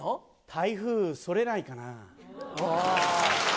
台風それないかな。